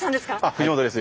藤本です。